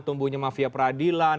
tumbuhnya mafia peradilan